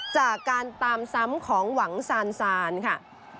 จากการตามซ้ำของหวังซานซานค่ะ